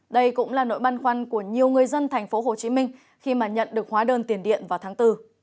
đây cũng là nỗi băn khoăn của nhiều người dân thành phố hồ chí minh khi mà nhận được hóa đơn tiền điện vào tháng bốn